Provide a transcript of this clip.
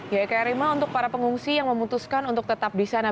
ya eka rima untuk para pengungsi yang memutuskan untuk tetap di sana